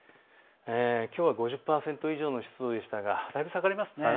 きょうは５０％以上の湿度でしたが下がりますね。